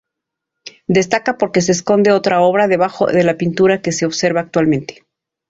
Destaca porque esconde otra obra debajo de la pintura que se observa actualmente.